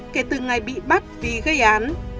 kể từ ngày bị bắt vì gây án